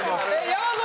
山添